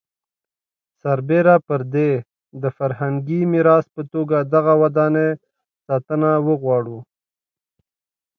سربېره پر دې د فرهنګي میراث په توګه دغه ودانۍ ساتنه وغواړو.